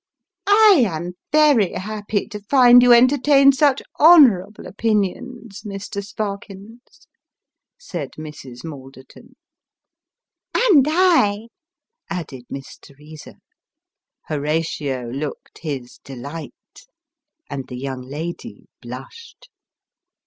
" I am very happy to find you entertain such honourable opinions, Mr. Sparkins," said Mrs. Malderton. " And I," added Miss Teresa. Horatio looked his delight, and the young lady blushed.